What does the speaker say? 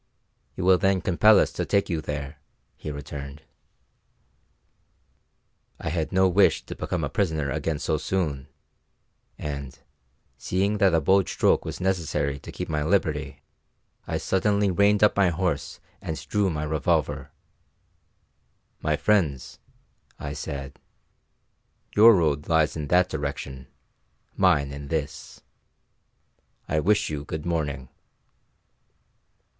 "You will then compel us to take you there," he returned. I had no wish to become a prisoner again so soon, and, seeing that a bold stroke was necessary to keep my liberty, I suddenly reined up my horse and drew my revolver. "My friends," I said, "your road lies inthat direction; mine in this. I wish you good morning."